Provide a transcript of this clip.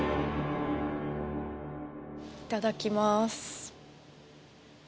いただきます。